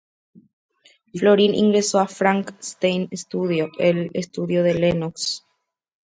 Florin ingreso en Frank Stein Studio, el estudio de Lenox.